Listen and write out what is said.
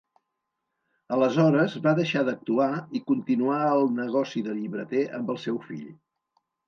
Aleshores va deixar d'actuar i continuà el negoci de llibreter amb el seu fill.